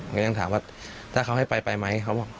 ผมก็ยังถามว่าถ้าเขาให้ไปไปไหม